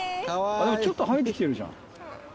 ちょっと生えてきてるじゃん。